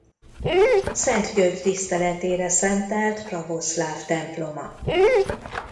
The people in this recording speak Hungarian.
Szent György tiszteletére szentelt pravoszláv temploma.